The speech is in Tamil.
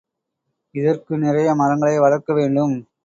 இதற்கு நிறைய மரங்களை வளர்க்க வேண்டும்.